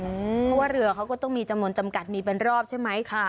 เพราะว่าเรือเขาก็ต้องมีจำนวนจำกัดมีเป็นรอบใช่ไหม